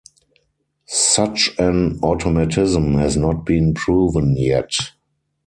Such an automatism has not been proven yet.